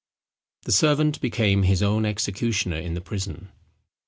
The servant became his own executioner in the prison.